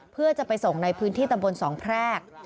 เพื่อจะไปส่งในพื้นที่ตำบลสองแพรก